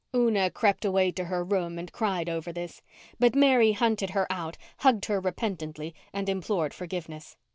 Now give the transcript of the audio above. Una crept away to her room and cried over this, but Mary hunted her out, hugged her repentantly and implored forgiveness.